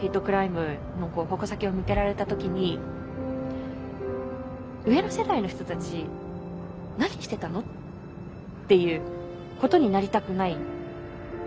クライムの矛先を向けられた時に「上の世代の人たち何してたの？」っていうことになりたくないんですよね。